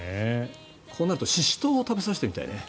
こうなるとシシトウを食べさせてみたいね。